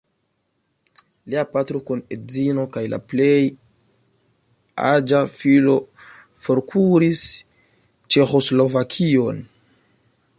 Lia patro kun edzino kaj la plej aĝa filo forkuris Ĉeĥoslovakion.